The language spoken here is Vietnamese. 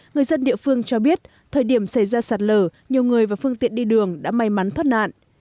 người dân địa phương cho biết thời điểm xảy ra sạt lở nhiều người và phương tiện đi đường đã may mắn thoát nạn